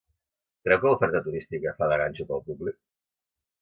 Creu que l’oferta turística fa de ganxo per al públic?